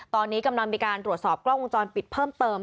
ตอนนี้กำลังมีการตรวจสอบกล้องวงจรปิดเพิ่มเติม